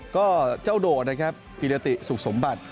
ก็เจ้าโดดนะครับกิรติสุขสมบัติ